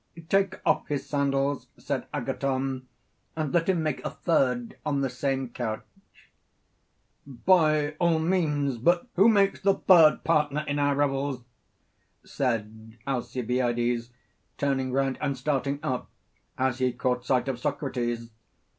Take off his sandals, said Agathon, and let him make a third on the same couch. By all means; but who makes the third partner in our revels? said Alcibiades, turning round and starting up as he caught sight of Socrates.